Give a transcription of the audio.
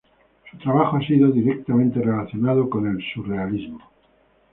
Su trabajo ha sido directamente relacionado con el Surrealismo.